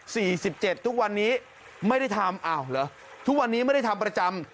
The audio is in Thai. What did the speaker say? สิบเจ็ดทุกวันนี้ไม่ได้ทำอ้าวเหรอทุกวันนี้ไม่ได้ทำประจำ